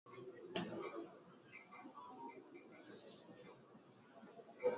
Wakisubiri kila mwezi kazi inayofanywa na Mamlaka ya Udhibiti wa Nishati na Petroli Aprili kumi na nne